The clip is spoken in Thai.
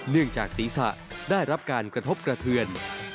เนื่องจากศีรษะได้รับการกระทบกระเทือน